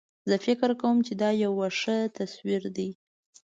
زه فکر کوم چې دا یو ښه تصویر ده